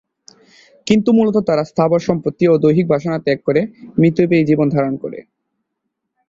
কিন্তু মূলত তারা স্থাবর সম্পত্তি ও দৈহিক বাসনা ত্যাগ করে মিতব্যয়ী জীবন ধারণ করে।